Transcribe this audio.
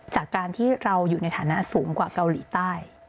จากการที่เราอยู่ในฐานะสูงกว่าเกาหลีใต้